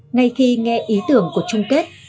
ngay khi nghe ý tưởng của trung kết